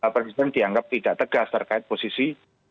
presiden dianggap tidak tegas terkait posisi